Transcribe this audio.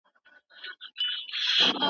د خوشحال خان خټک د خولۍ په اړه موثقه وینا نشته.